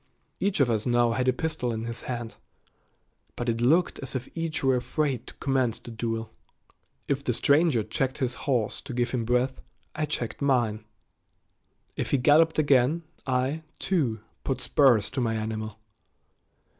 Each of us now had a pistol in his hand, but it looked as if each were afraid to commence the duel. If the stranger checked his horse to give him breath, I checked mine. If he galloped again, I, too, put spurs to my animal.